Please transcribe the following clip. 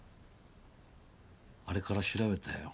あれから調べたよ。